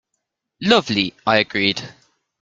"Lovely," I agreed.